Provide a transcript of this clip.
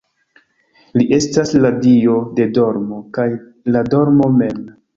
Li estas la dio de dormo kaj la dormo mem.